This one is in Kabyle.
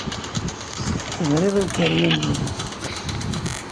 Tebriḍ i ukeryun-nnek.